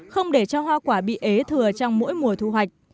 không để cho hoa quả bị ế thừa trong mỗi mùa thu hoạch